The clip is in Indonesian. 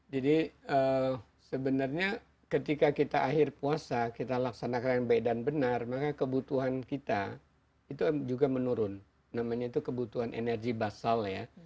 jadi sebenarnya ketika kita akhir puasa kita laksanakan yang baik dan benar maka kebutuhan kita itu juga menurun namanya itu kebutuhan energi basal ya